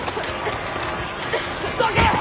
どけ！